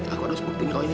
aku harus bukti kau ini